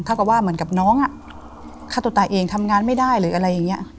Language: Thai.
กับว่าเหมือนกับน้องฆ่าตัวตายเองทำงานไม่ได้หรืออะไรอย่างนี้